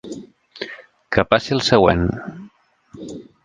Que passi el següent.